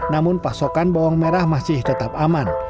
namun pasokan bawang merah masih tetap aman